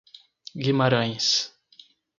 Guimarães